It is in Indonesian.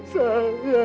saya mengaku bersalah